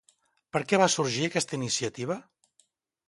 Per què va sorgir aquesta iniciativa?